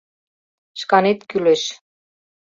— Шканет кӱлеш.